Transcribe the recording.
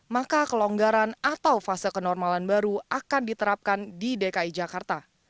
maka kelonggaran atau fase kenormalan baru akan diterapkan di dki jakarta